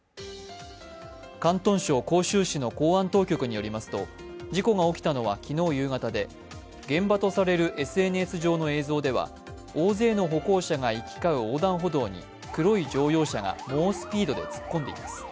広東省広州市の公安当局によりますと、事故が起きたのは昨日夕方で現場とされるＳＮＳ上の映像では大勢の歩行者が行き交う横断歩道に黒い乗用車が猛スピードで突っ込んでいます。